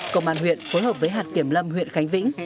công an huyện phối hợp với hạt kiểm lâm huyện khánh vĩnh